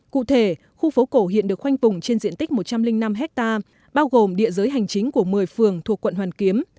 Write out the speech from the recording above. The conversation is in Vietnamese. cụ thể khu phố cổ hiện được khoanh vùng trên diện tích một trăm linh năm hectare bao gồm địa giới hành chính của một mươi phường thuộc quận hoàn kiếm